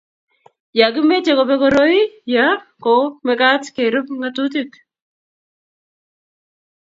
ye kimeche kobek koroi ya ko mekat kerub ng'atutik